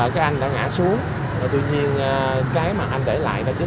các anh đã ngã xuống tuy nhiên cái mà anh để lại là